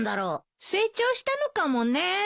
成長したのかもね。